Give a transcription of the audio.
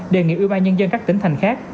đề nghị ubnd các tỉnh thành khác